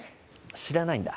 知らないんだ